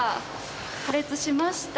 破裂しました。